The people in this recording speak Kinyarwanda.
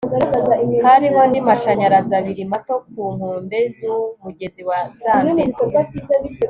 hariho andi mashanyarazi abiri mato ku nkombe z'umugezi wa zambezi